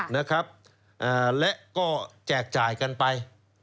นะครับและก็แจกจ่ายกันไป